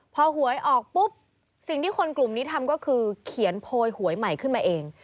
พอหวยออกปุ๊บสิ่งที่คนกลุ่มนี้ทำก็คือเขียนโพยหวยใหม่ขึ้นมาเอง